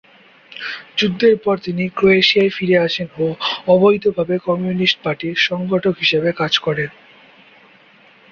যুদ্ধের পর তিনি ক্রোয়েশিয়ায় ফিরে আসেন ও অবৈধভাবে কমিউনিস্ট পার্টির সংগঠক হিসেবে কাজ করেন।